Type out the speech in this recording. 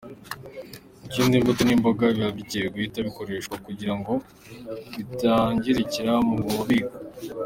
Ikindi imbuto n’imboga biba bikenewe guhita bikoreshwa kugira ngo bitangirikira mu bubiko.